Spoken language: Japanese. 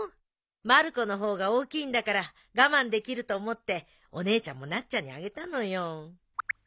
まる子の方が大きいんだから我慢できると思ってお姉ちゃんもなっちゃんにあげたのよ。